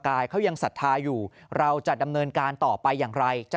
กายเขายังศรัทธาอยู่เราจะดำเนินการต่อไปอย่างไรจะ